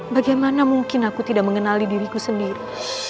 bagaimana mungkin aku tidak mengenali diriku sendiri